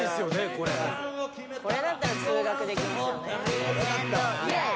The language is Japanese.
これこれだったら通学できますよねイエイ！